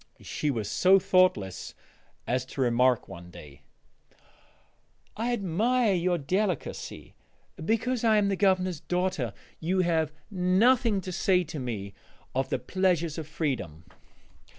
She was so thoughtless as to remark one day: "I admire your delicacy: because I am the Governor's daughter you have nothing to say to me of the pleasures of freedom!"